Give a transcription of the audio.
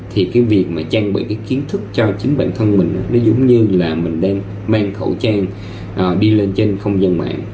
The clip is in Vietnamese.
thì cái việc mà trang bị cái kiến thức cho chính bản thân mình nó giống như là mình đem khẩu trang đi lên trên không gian mạng